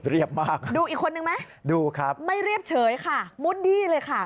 เรียบมากค่ะดูอีกคนนึงไหมไม่เรียบเฉยค่ะมุดดีเลยค่ะ